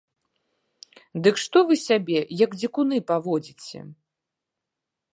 Дык што ж вы сябе, як дзікуны паводзіце?